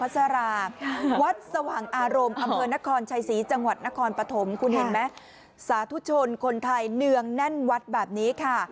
ศาสตร์ทุชชนคนไทยเนืองแน่นวัดแบบนี้ค่ะ